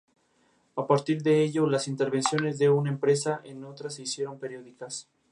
La catedral sufrió daños graves y el interior se quemó por completo.